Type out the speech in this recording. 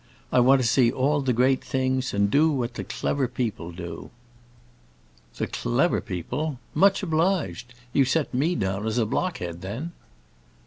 I want to see all the great things, and do what the clever people do." "The clever people? Much obliged. You set me down as a blockhead, then?"